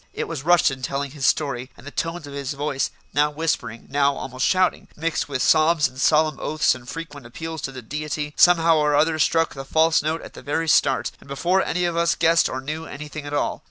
It was Rushton telling his story, and the tones of his voice, now whispering, now almost shouting, mixed with sobs and solemn oaths and frequent appeals to the Deity, somehow or other struck the false note at the very start, and before any of us guessed or knew anything at all.